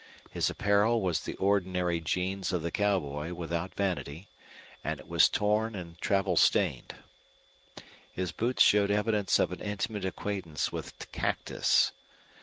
His apparel was the ordinary jeans of the cowboy without vanity, and it was torn and travel stained. His boots showed evidence of an intimate acquaintance with cactus.